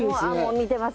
見てます